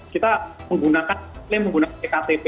kita menggunakan kita memang menggunakan ktp